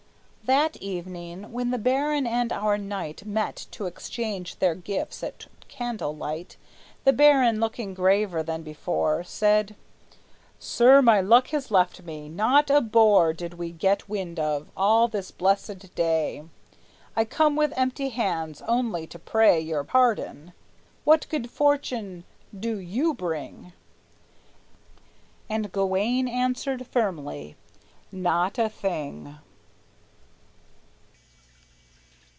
That evening, when the baron and our knight Met to exchange their gifts at candle light, The baron, looking graver than before, Said: "Sir, my luck has left me; not a boar Did we get wind of, all this blessed day. I come with empty hands, only to pray Your pardon. What good fortune do you bring?" And Gawayne answered firmly: "Not a thing!"